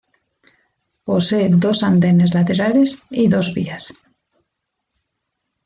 Posee dos andenes laterales y dos vías.